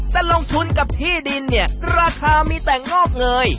แต่ลงทุนกับที่ดินเนี่ยราคามีแต่งอกเงย